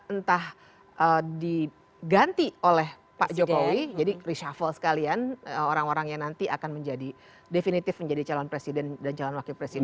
entah diganti oleh pak jokowi jadi reshuffle sekalian orang orang yang nanti akan menjadi definitif menjadi calon presiden dan calon wakil presiden